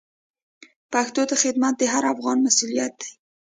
پښتو ته خدمت د هر افغان مسوولیت دی.